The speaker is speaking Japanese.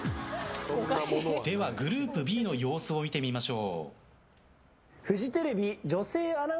ではグループＢの様子を見てみましょう。